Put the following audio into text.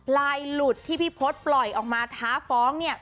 ลายหลุดที่พี่พศปล่อยออกมาท้าฟ้องเนี่ย